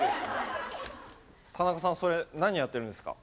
田中さんそれ何やってるんですか？